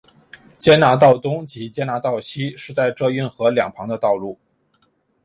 坚拿道东及坚拿道西是在这运河两旁的道路。